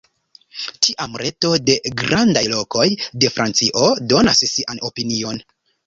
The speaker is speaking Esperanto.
Tiam Reto de Grandaj Lokoj de Francio donas sian opinion.